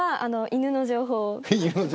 犬の情報。